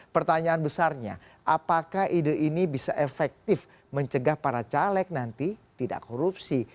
pertanyaan besarnya apakah ide ini bisa efektif mencegah para caleg nanti tidak korupsi